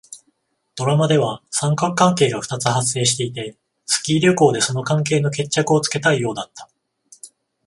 ドラマでは三角関係が二つ発生していて、スキー旅行でその関係の決着をつけたいようだった。